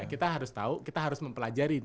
kita harus tahu kita harus mempelajari